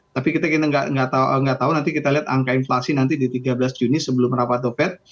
tapi kita nggak tahu nanti kita lihat angka inflasi nanti di tiga belas juni sebelum rapat the fed